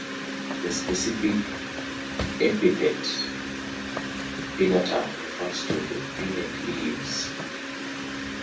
The specific epithet ("pinnatum") refers to the pinnate leaves.